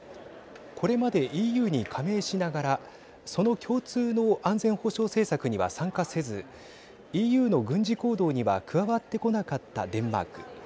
これまでＥＵに加盟しながらその共通の安全保障政策には参加せずＥＵの軍事行動には加わってこなかったデンマーク。